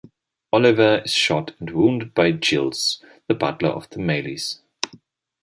Oliver is shot and wounded by Giles, the butler of the Maylies.